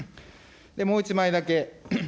もう１枚だけ。